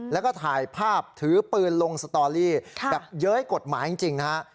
แล้วก็ถ่ายภาพถือปืนลงสตอรี่แบบเย้ยกฎหมายจริงนะฮะ